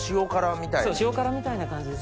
そう塩辛みたいな感じです。